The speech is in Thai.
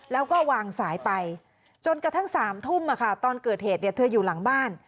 แล้วก็วางสายไปจนกระทั่ง๓ทุ่มตอนเกิดเหตุเธออยู่หลังบ้าน